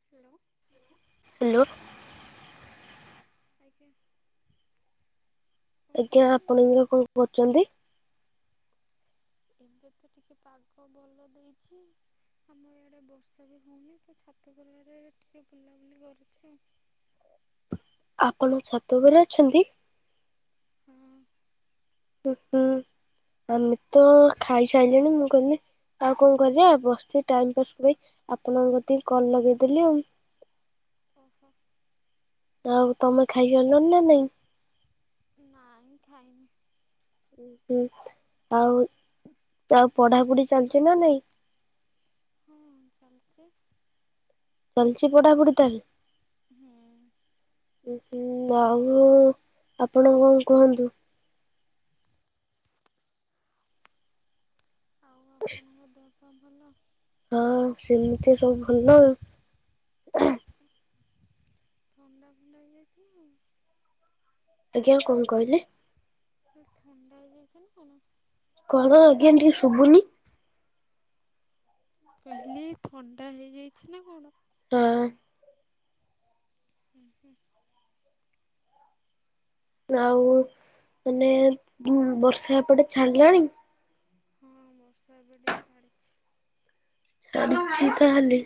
Hello hello ଆଜ୍ଞା କଣ ଆଜ୍ଞା କରୁଥିଲେ? ଆପଣ ଏଇନା କଣ କରୁଛନ୍ତି? ଏବେ ତ ଟିକଏ ପାଗ ଭଲ ଦେଇଛି। ଆମର ଇଆଡ଼େ ବର୍ଷା ବି ହଉନି ତ ଛାତ ପରିବାରେ ଟିକେ ବୁଲାବୁଲି କରୁଛି ଆଉ। ଆପଣ ଛାତ ଘରେ ଅଛନ୍ତି। ହଁ ହୁଁ ଆମେ ତ ଖାଇସାରିଲଣି ମୁଁ କହିଲି ଆଉ କଣ କରିବା ବସିଛି ଟାଇମ ପାସ୍ କରି ଆପଣଙ୍କ ଟେ କଲ୍ ଲଗେଇଦେଲି ଆଉ ଓହୋ ଆଉ ତମେ ଖାଇସାରିଲନ ନା ନାଇଁ। ନାଇଁଁ ଖାଇନି। ଉ ହୁଁ ଆଉ ଆଉ ପଢାପଢି ଚାଲିୁଛି ନା ନାଇଁ। ହଁ ଚାଲୁଛି। ଚାଲିଛି ପଢାପଢ଼ି ତାହେଲେ ହୁଁ ଆଉ ଆପଣ କଣ କୁହନ୍ତୁ। ଆଉ ଆପଣଙ୍କ ଦେହବା ଭଲ। ହଁ ସେମିତି ସବୁ ଭଲ। ଥଣ୍ଡା ଫୁଣ୍ଡା ହେଇଯାଇଛି। ଆଜ୍ଞା କଣ କହିଲେ। ଥଣ୍ଡା ହେଇଯାଇଛ ନା କଣ? କର ଆଜ୍ଞା ଟିକେ ଶୁଭୁନି। କହିଲି ଥଣ୍ଡା ହେଇଯାଇଛି ନା କଣ। ହଁ ହୁଁ ହୁଁ ଆଉ ମାନେ ବର୍ଷା ଏପଟେ ଛାଡିଲାଣି। ହଁ ବର୍ଷା ଏପଟେ ଛାଡ଼ିଛି। ଛାଣିଛି ତାହେଲେ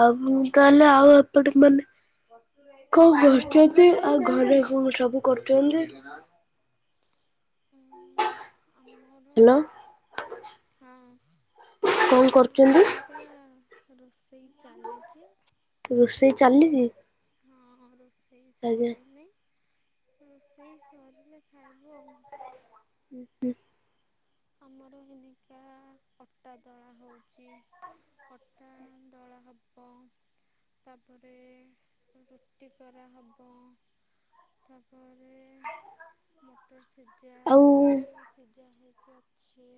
ଆଉ ମୁ ହୁଁ ତାହେଲେ ଆଉ ପଟ ମାନେ କଣ କରୁଛନ୍ତି ଆଉ ଘରେ କଣ ସବୁ କରୁଛନ୍ତି। ଉଁ ଆମ ହ୍ୟାଲୋ ଆଉ ହଁ କଣ ଆମର କରୁଛନ୍ତି? ଏମିତି ରୋଷେଇ ଚାଲିଛି ରୋଷେଇ ହଁ ରୋଷେଇ ଆଜ୍ଞା ସରିନି ରୋଷେଇ ସରିଲେ ଖାଇବୁ ଆଉ ଉଁ ହୁଁ। ଆମର ହେନିକା ଅଟା ଦଳା ହଉଛି। ଅଟା ଦଳା ହବ। ତାପରେ ରୁଟି କରାହବ। ତାପରେ ମଟର ସିଯା ଆଉ ଆଳୁ ସିଯା ହେଇକିଅ ଛି।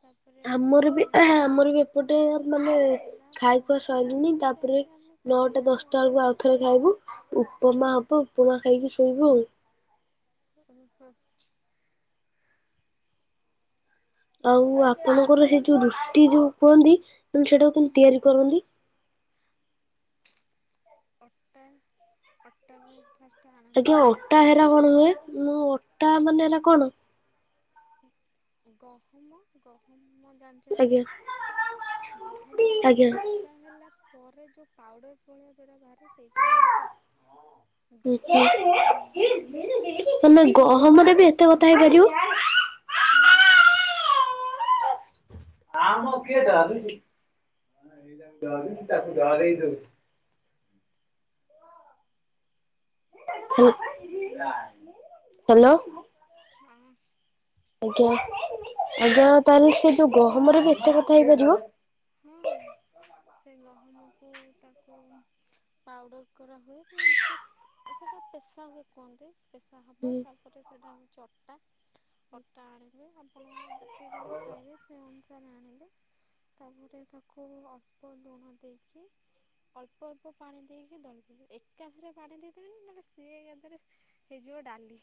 ତାପରେ ଆମର ବି ଘୁଘୁନି ବନା ଆମର ବି ହବ। ଏପଟେ ମାନେ ହେଲା ଖାଇ ଖୁଆ ପରେ ସରିନି ତାପରେ ଯାଇକି ଆମେ ନଅଟା ଖାଇବୁ ଆଉ। ଦଶଟା ବେଳକୁ ଆଉଥରେ ଖାଇବୁ ଉପମା ହବ ଉପମା ଖାଇକି ଶୋଇବୁ ଆଉ। ଓହୋ। ଆଉ ଆପଣଙ୍କର ହେ ଯୋଉ ରୁଟି ଯୋଉ କୁହନ୍ତି ସେଇଟାକୁ କେମିତି ମୁଁ ତିଆରି କରନ୍ତି? ଅଟା ଅଟାକୁ ଫାଷ୍ଟେ ଆଣ ହେଯଉ ଅଟା ହେରା କଣ ହୁଏ ମୁଁ ଅଟା ମାନେ ହେରା କଣ? ହାଲକା ଗହମ ଗହମ ଆଜ୍ଞା ଜାଣିଛନ୍ତି ଗହମ ଆଜ୍ଞା ପେଶ ସା ହେଲା ପରେ ଯୋଉ ପାଉଡ଼ର ଭଳିଆ ଯୋଉଟା ବାହାରେ ସେଇଟା ହିଁ ହଉଛି ଅ [unintelligible] ମାନେ ଗହମରେ ବି ଏତେ କଥା ହେଇପାରିବ। ହୁଁ। ଆମ କିଏ ଡରୁଛି ଏଇଟା ଡରୁଛି ତାକୁ ଡରେଇ ଦଉଛି। ହା ହ୍ୟାଲୋ। ହଁ। ଆଜ୍ଞା ଆଜ୍ଞା ତାହେଲେ ସେ ଯୋଉ ଗହମରେ ବି ଏତେ କଥା ହେଇପାରିବ? ହଁ। ସେ ଗହମକୁ ତାକୁ ପାଉଡ଼ର କରାହୁଏ ନହେଲେସେ ଆ ସେଟା ପେଶା ହୁଏ କୁହନ୍ତି ପେଶା ହବ ହୁଁ ତାପରେ ସେଇଟା ହଉଛି ଅଟା। ଅଟା ଆଣିଲେ ଆପଣଙ୍କ ଯେତିକି ଜଣ ଖାଇବେ ସ ସେ ଅନୁସାରେ ଆଣିଲେ ତାପରେ ତାକୁ ଅଳ୍ପ ଲୁଣ ଦେଇକି ଅଳ୍ପ ଅଳ୍ପ ପାଣି ଦେଇକି ଦଳିଦେବେ ଏକାଥରେ ପାଣି ଦେଇଦେବେନି ନହେଲେ ସିଏକାଥରେ ହେଇଯିବ ଡାଲି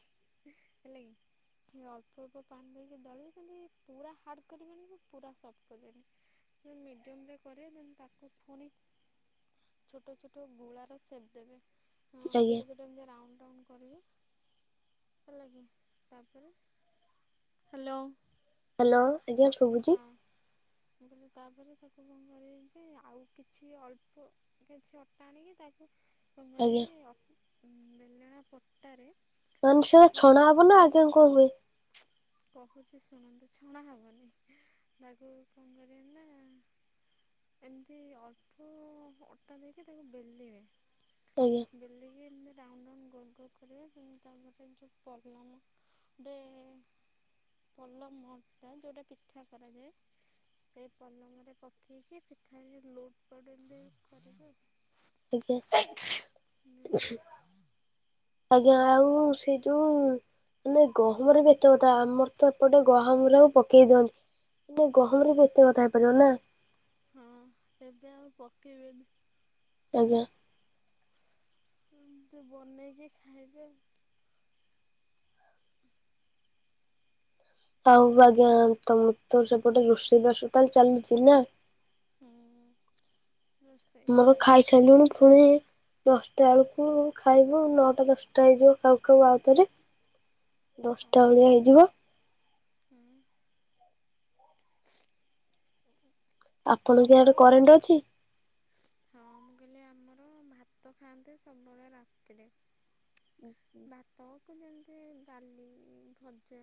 ହେଲାକି ସେ ଅ ଅଳ୍ପ ଅଳ୍ପ ପାଣି ଦେଇକି ଦଳିବେ ଯେମିତି ପୁରା ହାର୍ଡ଼ କରିବେନି କି ପୁରା ସଫ୍ଟ କରିବେନି। ଯେ ମିଡିୟମରେ କରିବେ ଦେନ ତାକୁ ଫୁଣି ଛୋଟ ଛୋଟ ଗୁଳା ର ସେପ ଦେବେ ହଁ ଆଜ୍ଞା ଛୋଟ ଛୋଟ ଯେମିତି ରାଉଣ୍ଡ ରାଉଣ୍ଡ କରିବେ। ହେଲାକି ତାପରେ ହ୍ୟାଲୋ। ହ୍ୟାଲୋ ଆଜ୍ଞା। ଶୁଭୁଛି ହଁ ମୁଁ କହିଲି ତାପରେ ତାକୁ କଣ କରିବେକି ଆଉ କିଛି ଅଳ୍ପ କିଛି ଅଟା ଆଣିକି ତାକୁ ଆଜ୍ଞା କଣକରିବେ ଅ ଉଁ ବେଲେଣା ପଟାରେ ମାନେ ସେ ତାକୁ ଛଣା ହବ ରଖି ନା ଆଉ କଣ କଣ ହୁଏ? କହୁଛି ଶୁଣନ୍ତୁ ଛଣା ହବନି ତାକୁ କଣ କରିବେ ନା ଏମିତି ଅଳ୍ପ ଅ ଅଟା ଦେଇକି ତାକୁ ବେଲିବେ ଆଜ୍ଞା। ବେଲିକି ଏମିତି ରାଉଣ୍ଡ ରାଉଣ୍ଡ ଗୋଲଗୋଲ କରିବେ ହୁଁ ତାପରେ ଯୋଉ ପଲମ ଗୋଟେ ପଲମ ଟା ଯୋଉଟା ପିଠା କରାଯାଏ। ସେଇ ପଲମରେ ପକେଇକି ପିଠାରେ ଲଉଟ୍ ପାଉଟ୍ ଏମିତି ଆଜ୍ଞା। କରିବେ ଆଉ [unintelligible] ମା ଆଜ୍ଞା ଆଉ ସେଇ ଯୋଉ ମାନେ ଗହମରେ ବି ଏତେକଥା ଆମର ତ ଏପଟେ ଗହ ଆମର ଆଉ ପକେଇ ଦିଅନ୍ତି ମ ଗହମରେ ବି ଏତେକଥା ହେଇପାରିବ ନା। ହଁ ଏବେ ଆଉ ପକେଇବେନି। ଆଜ୍ଞା। ଏମିତି ବନେଇକି ଖାଇବେ। ଆଉ ଆଜ୍ଞା ତମର ତ ସେପଟେ ରୋଷେଇବାସ ତାହଲେ ଚାଲିଛି ନା। ହୁଁ ମୋର ରୋସେଇଚାଲିଛି। ଖାଇସାରିଲୁଣି ପୁଣି ଦଶଟା ବେଳକୁ ଖାଇବୁ ନଅଟା ଦଶଟା ହେଇଯିବ ଖାଉ ଖାଉ ଆଉ ଥରେ। [inaudible] ଦଶଟା ଭେଳିଆ ହେଇଯିବ। ହୁଁ। ଆପଣଙ୍କ ଇଆଡେ ଆମର କରେଣ୍ଟ ଅଛି? ହଁ ମୁଁ କହିଲି ଆମର ଭାତ ଖାଆନ୍ତି ସବୁବେଳେ ରାତିରେ। ଭାତକୁ ଯେମିତି ବାଲି ଭଜା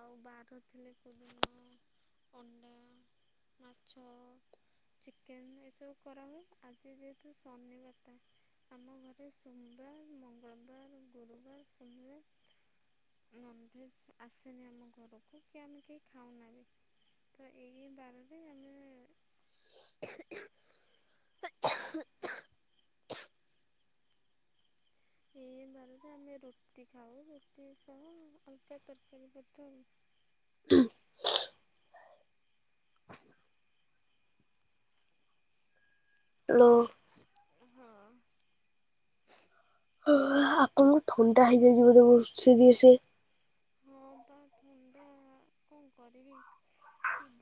ଆଉ ବାର ଥିଲେ କୋଉ ଦିନ ଅଣ୍ଡା ମାଛ ଚିକେନ୍‌ ଏସବୁ କରାହୁୁଏ ଆଜି ଯେହେତୁ ଶନିବାରଟା ଆମ ଘରେ ସୋମବାର ମଙ୍ଗଳବାର ଗୁରୁବାର ସୋମବାର ନନ୍‌ଭେଜ୍ ଆସେନି ଆମ ଘରକୁ କି ଆମେ କେହି ଖାଉନା ବି। ତ ଏଇ ଏଇ ବାରରେ ଆମେ ଆ ଏଇ ଏଇ ବାରରେ ଆମେ ରୁଟି ଖାଉ ରୁଟି ସହ ଅଲଗା ତରକାରୀ ପତ୍ର ଆଉ। ଲୋ ଉଁ ହଁ। ଓହୋ ଆପଣଙ୍କୁ ଥଣ୍ଡା ହେଇଯାଇଚି ବୋଧେ ବୋହୁତ ସିରିଏସ୍‌। ହଁ ପା ଥଣ୍ଡା କଣ କରିବି।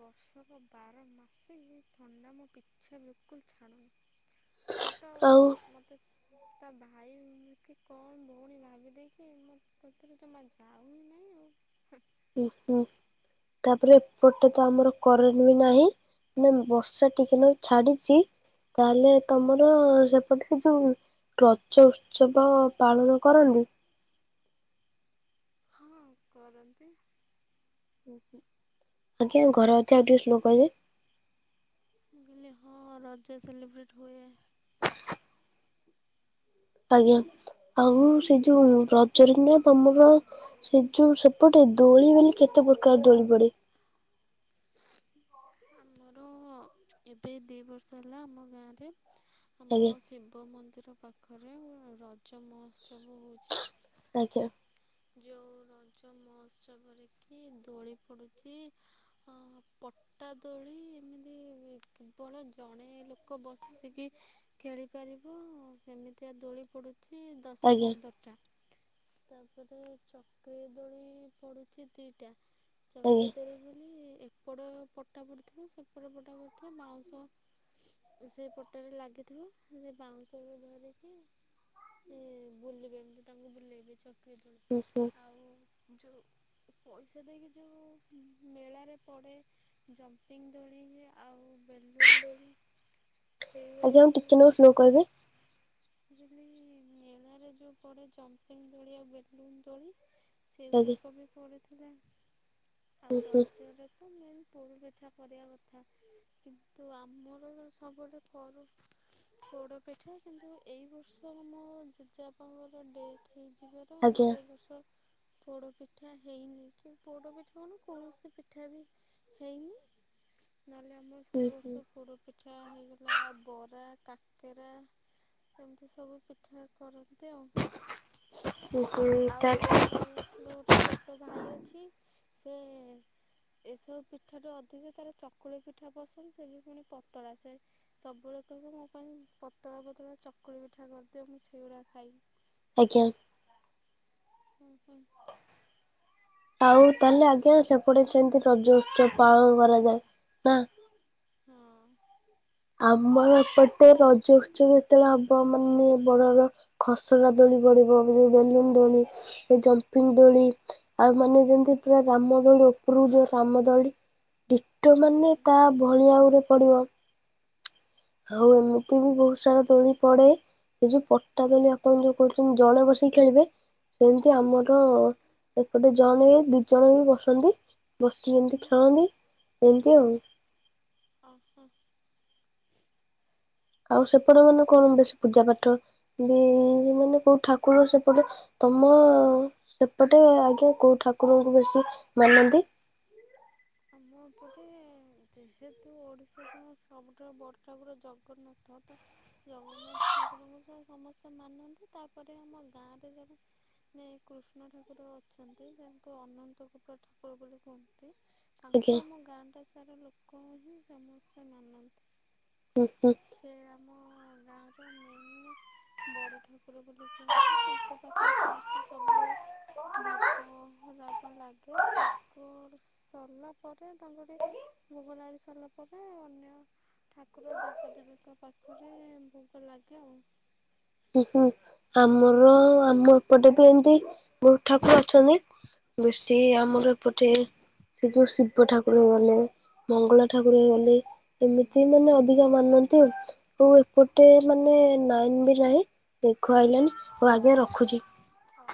ବର୍ଷର ବାର ମାସେ ଥଣ୍ଡା ମୋ ପିଛା ବିଲକୁଲ୍ ଛାଡୁନି। ମୁଁ ତ ଆଉ ମୁଁ ତ ତା ଭାଇ କି କଣ ଭଉଣୀ ଭାବିଦେଇଚି ମୋ କତିରୁ ଜମା ଯାଉ ହିଁ ନାହିଁ। ହୁଁ। ଉଁ ହୁଁ। ତାପରେ ଏପଟେ ତ ଆମର କରେଣ୍ଟ ବି ନାହିଁ ମାନେ ବର୍ଷା ଟିକେ ନାକୁ ଛାଡ଼ିଚି। କହିଲେ ତମର ସେପଟ ରେ ଯୋଉ ରଜ ଉତ୍ସବ ପାଳନ କରନ୍ତି? ହଁ କରନ୍ତି। ଉଁ ହୁଁ ଆଜ୍ଞା ଘରେ ଅଛ ଯଦି ଆସୁନ କହିବେ। ମୁଁ କହିଲି ହଁ ରଜା ସେଲିିବ୍ରେଟ୍ ହୋଉ। ଆଜ୍ଞା ଆଉ ସେ ଯୋଉ ରଜର୍ କୁମାର ତମର ସେ ଯୋଉ ସେପଟେ ଦୋଳି ବୋଲି କେତେ ପ୍ରକାର ଦୋଳି ପଡେ? ଆମର ଏବେ ଦୁଇ ବର୍ଷ ହେଲା ଆମ ଗାଁରେ ଆମ ଆଜ୍ଞା ଶିବ ମନ୍ଦିର ପାଖରେ ରଜ ମହୋତ୍ସବ ହୋଉଚି। ଆଜ୍ଞା। ଯୋଉ ରଜ ମହୋତ୍ସବ ରେକି ଦୋଳି ପଡୁଚି ଅ ପ ଅଟା ଦୋଳି ଏମିତି କେବଳ ଜଣେ ଲୋକ ବସିକି ଖେଳି ପାରିବୁ ସେମିତିଆ ଦୋଳି ପଡୁଚି ଦଶ ଆଜ୍ଞା ପନ୍ଦରଟା। ତାପରେ ଚକ୍ରି ଦୋଳି ପଡିଚି ଦିଟା ଆଜ୍ଞା ଚକ୍ରି ଦୋଳି ବୋଲି ଏ ସେପଡ଼ ପଟା ପଡ଼ିଥିବ ସେପଟ ପଟା ପଡ଼ିଥିବ ବାଉଁଶ ସେ ପଟାରେ ଲାଗିଥିବ ସେ ବାଉଁଶରେ ଧରିକି ହୁ ବୁଲିବେ ଏମତି ତାଙ୍କୁ ବୁଲେଇବି ଚକିରି ଦୋଳି ଆଉ ଯଉ ପଇସା ଦେଇକି ଯେଉଁ ଉ -ମେଳାରେ ପଡ଼େ ଜମ୍ପିଙ୍ଗ ଦୋଳି ଇଏ ଆଉ ବେଲୁନ୍ଦଦୋଳି ଶ୍ରୀଓ ଆଜ୍ଞା ଆଉ ଟିକେ ରାଧନାମ ନାକୁ ସ ସ୍ଲୋ କହିବେ। [unintelligible] ଯଦଲି ନେଲାରେ ଯଉ ପଡେ ଜମ୍ପିଙ୍ଗ ଦୋଳି ଆଉ ବେଡ଼ରୁୁମ ଦୋଳି ଆଜ୍ଞା ସେଗୁଡ଼ାକ ବି ପଢ଼ିଥିଲା ହୁଁ ଆଉ ହୁଁ ରଜରେ ତ ମେନ୍ ପୋରୁପିଠା କରିବା କଥା କିନ୍ତୁ ଆମର କଣ ସବୁଠେ କର ପୋଡ ପିଠା କିନ୍ତୁ ଏଇ ବର୍ଷ ଆମ ଜେଜେପାଙ୍କର ଡେଥ୍ ହେଇଯିବ ତ ଆଜ୍ଞା ଆମର ଏ ବର୍ଷର ପୋଡ଼ପିଠା ହେଇନି କି ପୋଡ଼ ପିଠା କଣ କୌଣସି ପିଠା ବି ହେଇନି ନହେଲେ ଆମର ହୁଁ ସବୁବର୍ଷ ପୋଡ଼ ପିଠା ହେଇଗଲା ବରା କାକେରା ସେମିତି ସବୁ ପିଠା କରନ୍ତି ଆଉ ହୁଁ ହୁଁ ଆଉ ହୁଁ ମୋର ଗୋଟେ ଛୋଟ ଭାଇ ଅଛି ସେ ଏସବୁ ପିଠାଟୁ ଅଧିକା ତାର ଚକୁଳି ପିଠା ପସନ୍ଦ ସେ ବି ପୁଣି ପତଳା ସେଏ ସବୁ ବେଳେ କହିବ ମୋ ପାଇଁ ପତଳା ପତଳା ଚକୁଳି ପିଠା କରିଦିଅ ମୁଁ ସେଇଗୁଡ଼ା ଖାଇ ଆଜ୍ଞା ହଁ ହ? ଆଉ ତାହେଲେ ଆଜ୍ଞା ସେପଟେ ବି ସେମି଼ତି ରଜ ଉତ୍ସବ ପାଳନ କରାଯାଏ ନା। ହଁ? ଆମର ଏପଟେ ରଜ ଉତ୍ସବ ଯେତେବେଳେ ହବ ମାନେ ବଡର ଖସଡା ଦୋଳି ପଡିବଲ [unintelligible] ଦୋଳି ଏ ଜମ୍ପିଙ୍ଗ ଦୋଳି ଆଉ ମାନେ ଯେମିତି ପୁରା ରାମ ଦୋଲୁ- ଉପରୁ ଯୋଉ ରାମ ଦଳି ଟିକେ ମାନେ ହୁଁ କା ଭଳି ଆହୁରେ ପଡିବ ଆଉ ଏମିତି ବି ବହୁତ ସାରା ଦୋଳି ପଡେ ଏ ଯୋଉ ପଟା ଦୋଳି ଆପଣ ଯୋଉ କହୁଚନ୍ତି ଜଣେ ବସିକି ଖେଳିବେ ସେମିତି ଆମର ଏକଟେ ଜଣ ହେ ଦି ଜଣ ବି ବସନ୍ତି ବସିକି ହୁଁ ଯେମତି ଖେଳନ୍ତି ଏମିତି ଆଉ। ଓ ହୋ ଆଉ ସେପଟେ ମାନେ କଣ ବେଶୀ ପୂଜା ପାାଠ ଉ ମାନେ କୋଉ ଠାକୁର ସେପଟେ ତମ ସେପଟେ ଆଜ୍ଞା କୋଉ ଠାକୁରଙ୍କୁ ବେଶୀ ମାନନ୍ତି? ଆମ ଏପଟେ ଯେହେତୁ ଓଡ଼ିଶାାର ସବୁଠାରୁ ବଡ଼ ଠାକୁର ଜଗ ଗନ୍ନାଥ ତ ୟା ମାନେ ଠାକୁରଙ୍କ ସହ ସମସ୍ତେ ମାନନ୍ତି ତାପରେ ଆମ ଗାଁରେ ଜଣେ ନାଇ କୃଷ୍ଣ ଠାକୁର ଅଛନ୍ତି ତାଙ୍କୁ ଅନନ୍ତ କୁପା ଠାକୁର ବୋଲି କୁହନ୍ତି। ତାଙ୍କୁ ଆଜ୍ଞା ଆମ ଗାଁଟା ସାରା ଲୋକ ହିଁ ସମସ୍ତେ ମାନନ୍ତି। ହୁଁ ହୁଁ। ସେ ଆମ ଗାଁର ମେନ୍ ବଡ଼ ଠାକୁର ବୋଲି କୁହନ୍ତି ତାଙ୍କ ପାଖରେ ଫାଷ୍ଟ ସବୁ ବୋଗରାବ ଲାଗି ତାକୁ ସଲା ପରେ ତାଙ୍କରି ଭୋଗ ଲାଗୀ ସାରିଲା ପରେ ଅନ୍ୟ ଠାକୁର ଦେବା ଦେେବୀଙ୍କ ପାଖରେ ଭୋଗ ଲାଗେ ଆଉ। ହୁଁ ହୁଁ ଆମର ଆମ ଏପଟେ ବି ଏମିତି ବହୁତ ଠାକୁର ଅଛନ୍ତି ବେଶୀ ଆମର ଏପଟେ ସେ ଯୋଉ ଶିବ ଠାକୁ କୁର ଗଲେ ମଙ୍ଗଳା ଠାକୁର ଗଲେ ଏମିତି ମାନେ ଅଧିକା ମାନନ୍ତି ଆଉ। ହୋ ଏପଟେ ମାନେ ନାଇନ ବି ନାହିଁ ମେଘ ଆଇଲାନି ହଉ ଆଜ୍ଞା ରଖୁଛି। ହ?